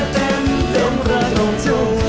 เต็มพูดตรง